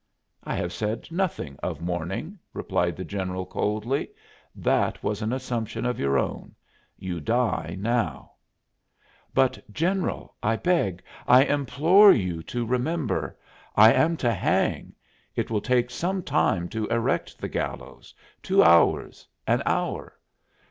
"I have said nothing of morning," replied the general, coldly; "that was an assumption of your own. You die now." "But, General, I beg I implore you to remember; I am to hang! It will take some time to erect the gallows two hours an hour.